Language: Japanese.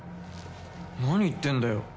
なに言ってんだよ。